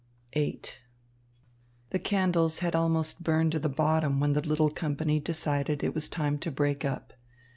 VIII The candles had almost burned to the bottom when the little company decided it was time to break up.